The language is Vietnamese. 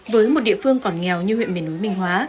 với một địa phương còn nghèo như huyện miền núi minh hóa